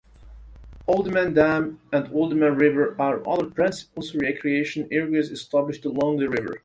"Oldman Dam" and "Oldman River" are other Provincial Recreation Areas established along the river.